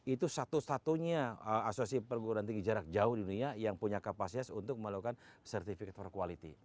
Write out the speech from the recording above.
itu satu satunya asosiasi perguruan tinggi jarak jauh di dunia yang punya kapasitas untuk melakukan certific for quality